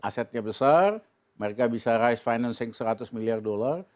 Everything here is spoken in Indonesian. asetnya besar mereka bisa rice financing seratus miliar dolar